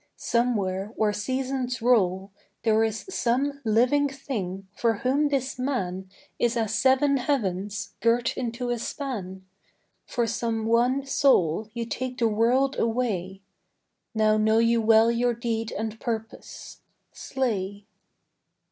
somewhere where seasons roll There is some living thing for whom this man Is as seven heavens girt into a span, For some one soul you take the world away Now know you well your deed and purpose. Slay!'